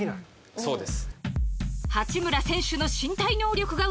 そうです。